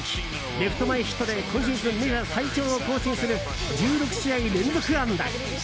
レフト前ヒットで今季メジャー最長を更新する１６試合連続安打！